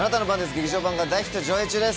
劇場版が、大ヒット上映中です。